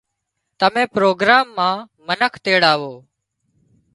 تمين پروگرام مان منک تيڙاوو